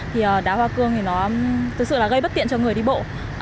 thì đá hoa cương thì nó thực sự là gây bất tiện cho người đi bộ